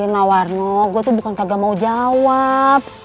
nah warno gue tuh bukan kagak mau jawab